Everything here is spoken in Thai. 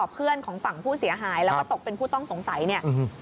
เพื่อนของฝั่งผู้เสียหายแล้วก็ตกเป็นผู้ต้องสงสัยเนี่ย